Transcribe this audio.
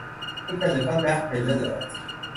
این پلکان ده پله دارد.